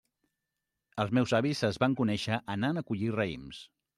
Els meus avis es van conèixer anant a collir raïms.